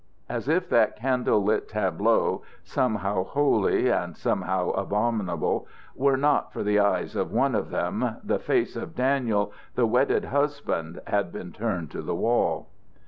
As if that candle lit tableau, somehow holy and somehow abominable, were not for the eyes of one of them, the face of Daniel, the wedded husband, had been turned to the wall.